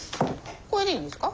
これでいいんですか？